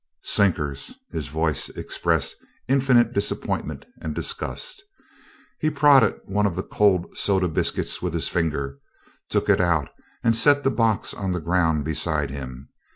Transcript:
"Sinkers!" His voice expressed infinite disappointment and disgust. He prodded one of the cold soda biscuits with his finger, took it out and set the box on the ground beside him.